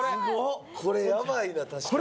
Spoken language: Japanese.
これヤバいな確かに。